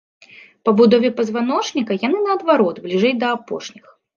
Па будове пазваночніка яны, наадварот, бліжэй да апошніх.